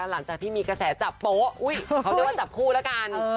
หลังจากที่มีกระแสจับโป๊ะเขาเรียกว่าจับคู่แล้วกัน